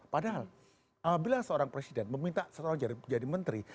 padahal bila seorang presiden meminta seorang jadi menteri